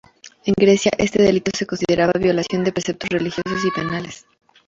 En Grecia, este delito se consideraba violación de preceptos religiosos y penales.